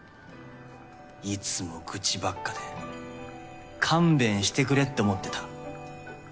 いつも愚痴ばっかで勘弁してくれって思ってた。